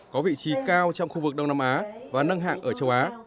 có vị trí cao trong khu vực đông nam á và nâng hạng ở châu á